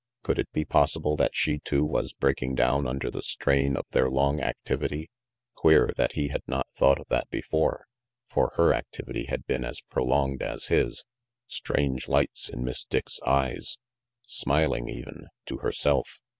Could it be possible that she, too, was breaking down under the strain of their long activity? Queer that he had not thought of that before. For her activity had been as pro longed as his. Strange lights in Miss Dick's eyes! Smiling even, to herself.